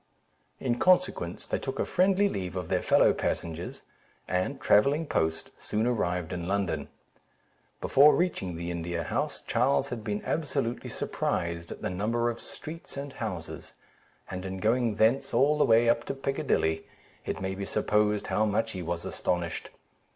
In consequence, they took a friendly leave of their fellow passengers, and travelling post, soon arrived in London. Before reaching the India House, Charles had been absolutely surprised at the number of streets and houses; and in going thence all the way up to Piccadilly, it may be supposed how much he was astonished.